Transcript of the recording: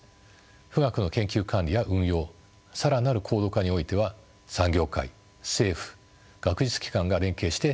富岳の研究管理や運用更なる高度化においては産業界政府学術機関が連携して取り組んでいます。